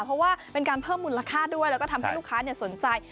เพราะว่าเป็นการเพิ่มมูลค่าด้วยแล้วก็ทำให้ลูกค้าสนใจ